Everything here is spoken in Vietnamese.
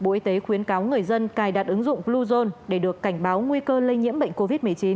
bộ y tế khuyến cáo người dân cài đặt ứng dụng bluezone để được cảnh báo nguy cơ lây nhiễm bệnh covid một mươi chín